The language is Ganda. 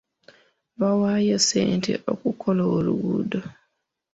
Baawaayo ssente okukola oluguudo.